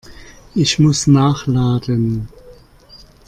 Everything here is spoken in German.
Ich muss nachladen.